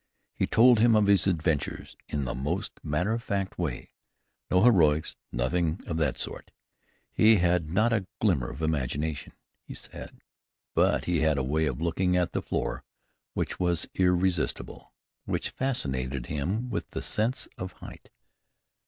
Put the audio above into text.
He told him of his adventures in the most matter of fact way. No heroics, nothing of that sort. He had not a glimmer of imagination, he said. But he had a way of looking at the floor which was "irresistible," which "fascinated him with the sense of height."